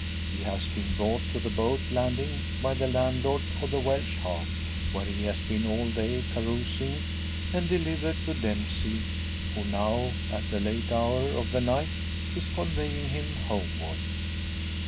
He has been brought to the boat landing by the landlord of the "Welsh Harp," where he has been all day carousing; and delivered to Dempsey, who now at a late hour of the night is conveying him homeward.